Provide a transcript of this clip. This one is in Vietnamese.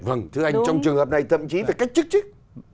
vâng thưa anh trong trường hợp này thậm chí phải cách trích trích